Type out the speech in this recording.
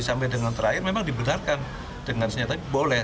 sampai dengan terakhir memang dibenarkan dengan senjata boleh